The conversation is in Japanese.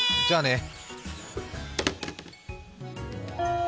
じゃあね！